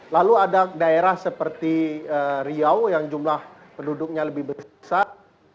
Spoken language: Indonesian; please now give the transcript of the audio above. lalu ada daerah seperti riau yang jumlah penduduknya lebih besar